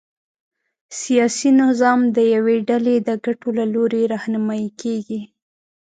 سیاسي نظام د یوې ډلې د ګټو له لوري رهنمايي کېږي.